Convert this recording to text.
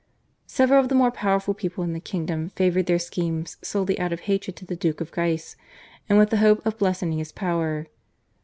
Several of the more powerful people in the kingdom favoured their schemes solely out of hatred to the Duke of Guise and with the hope of lessening his power.